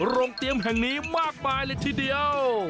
โรงเตรียมแห่งนี้มากมายเลยทีเดียว